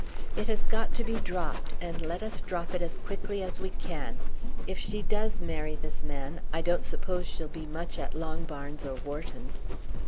"It has got to be dropped, and let us drop it as quickly as we can. If she does marry this man I don't suppose she'll be much at Longbarns or Wharton."